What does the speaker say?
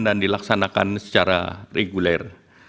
dan dilaksanakan secara reguler